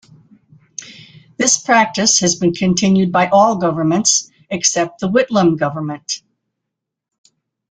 This practice has been continued by all governments except the Whitlam Government.